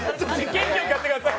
元気よくやってください。